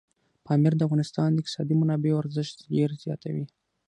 پامیر د افغانستان د اقتصادي منابعو ارزښت ډېر زیاتوي.